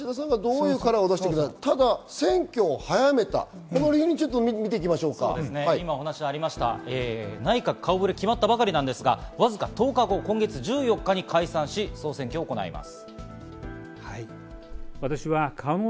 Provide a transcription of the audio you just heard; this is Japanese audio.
ただ選挙を早めたこの理由を内閣顔触れが決まったばかりですが、わずか１０日後、今月１４日に解散し総選挙を行います。